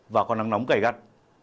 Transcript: và có nắng nóng gầy gắt